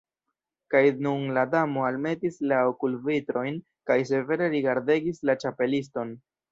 Kaj nun la Damo almetis la okulvitrojn kaj severe rigardegis la Ĉapeliston.